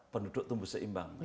penduduk tumbuh seimbang